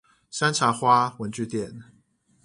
山茶花文具店